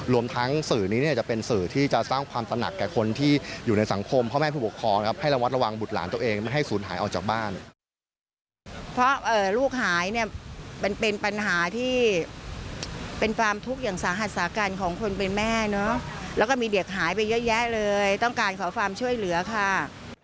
แล้วก็มีเด็กหายไปเยอะแยะเลยต้องการขอความช่วยเหลือค่ะ